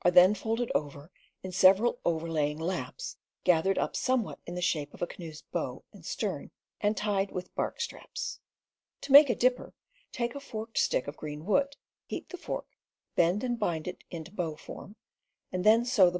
then folded over in several overlaying laps, gathered up somewhat in the shape of a canoe's bow and stern, and tied with bark straps. To make a dipper: take a forked stick of green wood, heat the fork, bend and bind it into bow form, and sew a bark bowl to it with AXEMANSHIP 269 (h,B»fflf»l Fig.